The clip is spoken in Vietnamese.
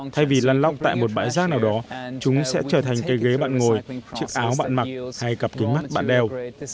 thay vì lăn lóc tại một bãi rác nào đó chúng sẽ trở thành cây ghế bạn ngồi chiếc áo bạn mặc hay cặp kính mắt bạn đeo